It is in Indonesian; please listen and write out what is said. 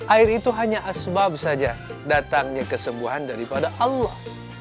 air itu hanya asbab saja datangnya kesembuhan daripada allah